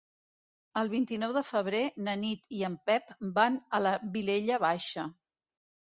El vint-i-nou de febrer na Nit i en Pep van a la Vilella Baixa.